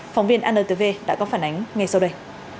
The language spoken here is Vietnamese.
phóng viên antv đã có phản ánh ngay sau đây